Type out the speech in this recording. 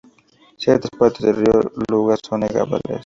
Ciertas partes del río Luga son navegables.